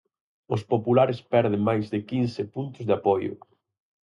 Os populares perden máis de quince puntos de apoio.